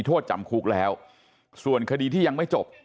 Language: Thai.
โทษจำคุกแล้วส่วนคดีที่ยังไม่จบ